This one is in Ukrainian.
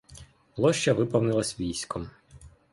Площа виповнилася військом.